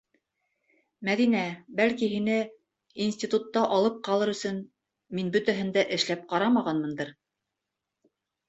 Мәҙинә, бәлки, һине... институтта алып ҡалыр өсөн... мин бөтәһен дә эшләп ҡарамағанмындыр?